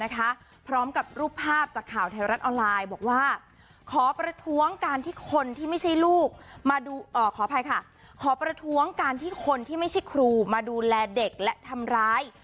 ขออภัยค่ะขอประท้วงการที่คนที่ไม่ใช่ครูมาดูแลเด็กและทำร้าย